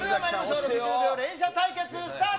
６０秒連射対決スタート！